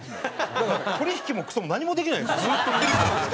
だから取引もクソも何もできないんですよ。